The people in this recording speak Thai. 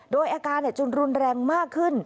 โดยอาการจนรุนแรงมากขึ้น